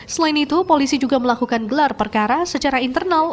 selain itu polisi juga melakukan gelar perkara secara internal